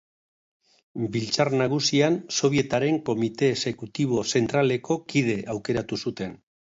Biltzar Nagusian Sobietaren Komite Exekutibo Zentraleko kide aukeratu zuten.